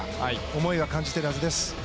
思いは感じているはずです。